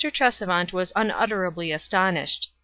Tresevant was unutterably astonished.